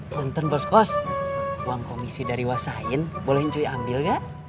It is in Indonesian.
nonton boskos uang komisi dari wasain boleh ambil gak